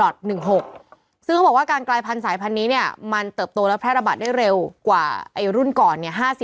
ซึ่งเขาบอกว่าการกลายพันธุ์สายพันธุ์นี้มันเติบโตและแพร่ระบาดได้เร็วกว่ารุ่นก่อน